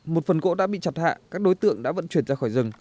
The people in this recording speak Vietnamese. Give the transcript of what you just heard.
một phần gỗ đã bị chặt hạ các đối tượng đã vận chuyển ra khỏi rừng